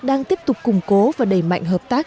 đang tiếp tục củng cố và đẩy mạnh hợp tác